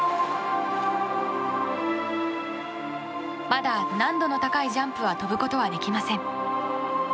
まだ難度の高いジャンプは跳ぶことはできません。